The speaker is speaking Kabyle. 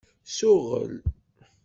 Suɣel.